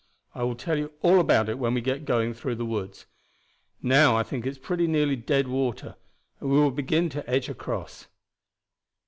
I will tell you all about it when we are going through the woods. Now I think it's pretty nearly dead water, and we will begin to edge across."